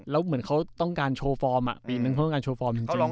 แล้วเหมือนเขาต้องการโชว์ฟอร์มอ่ะปีนั้นเขาต้องการโชว์ฟอร์มจริง